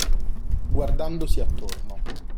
Guardandosi attorno.